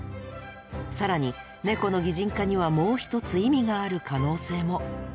更にネコの擬人化にはもう一つ意味がある可能性も。